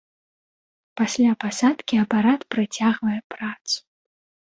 Пасля пасадкі апарат працягвае працу.